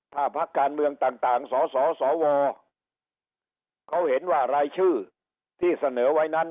ถ้าพักการเมืองต่างสสวเขาเห็นว่ารายชื่อที่เสนอไว้นั้น